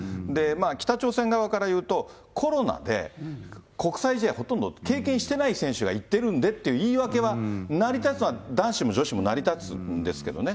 北朝鮮側からいうと、コロナで、国際試合ほとんど経験してない選手が行ってるんでって言い訳は成り立つのは、男子も女子も成り立つんですけどね。